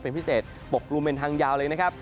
เป็นพิเศษปกกลุ่มเป็นทางยาวเลยนะครับ